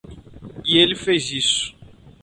E ele fez isso.